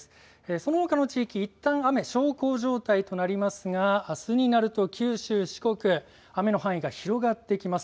そのほかの地域、いったん雨小康状態となりますがあすになると九州、四国で雨の範囲が広がってきます。